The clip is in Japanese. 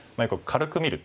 軽く見る。